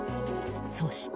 そして。